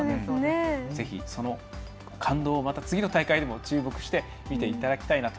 ぜひ、その感動をまた次の大会にも注目して見ていただきたいなと。